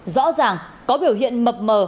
rõ ràng có biểu hiện mập mờ